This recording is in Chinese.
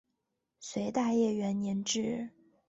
隋大业元年置。